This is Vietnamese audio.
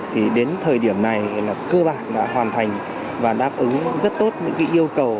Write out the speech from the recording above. thì đến thời điểm này cơ bản đã hoàn thành và đáp ứng rất tốt những yêu cầu